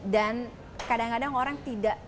dan kadang kadang orang tidak